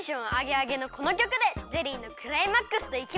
あげのこのきょくでゼリーのクライマックスといきますか！